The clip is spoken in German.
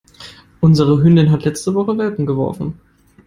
Unsere Hündin hat letzte Woche Welpen geworfen.